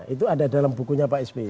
itu ada dalam bukunya pak sby